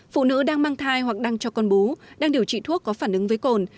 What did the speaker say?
phụ nữ đang mang thai hoặc đăng cho con bú đang điều trị thuốc có phản ứng với cồn